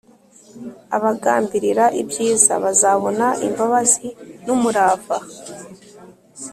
abagambirira ibyiza bazabona imbabazi n’umurava